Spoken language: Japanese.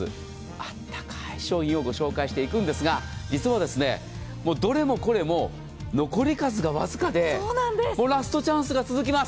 あったかーい商品をご紹介していくんですが実は、どれもこれも残り数が僅かで、もうラストチャンスが続きます。